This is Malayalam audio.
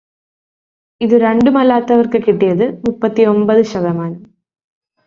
ഇത് രണ്ടുമല്ലാത്തവർക്ക് കിട്ടിയത് മുപ്പതിയൊമ്പത് ശതമാനം.